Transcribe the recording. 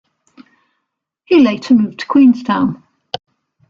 He later moved to Queenstown.